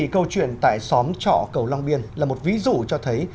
câu chuyện tại xóm trọ cầu long biên là một ví dụ cho thấy